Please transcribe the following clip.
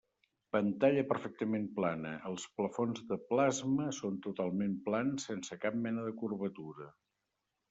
Pantalla perfectament plana: els plafons de Plasma són totalment plans, sense cap mena de curvatura.